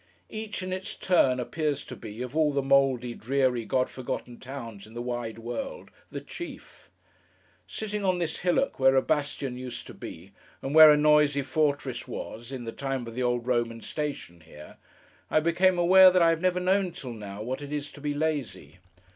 Each, in its turn, appears to be, of all the mouldy, dreary, God forgotten towns in the wide world, the chief. Sitting on this hillock where a bastion used to be, and where a noisy fortress was, in the time of the old Roman station here, I became aware that I have never known till now, what it is to be lazy.